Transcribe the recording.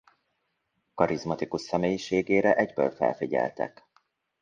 Karizmatikus személyiségére egyből felfigyeltek.